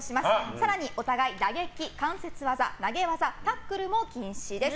更に、お互い打撃、関節技、投げ技タックルも禁止です。